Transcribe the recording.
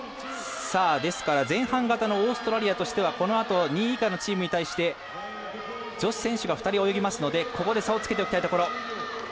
ですから前半型のオーストラリアとしてはこのあと２位以下のチームに対して女子選手が２人泳ぎますのでここで差をつけておきたいところ。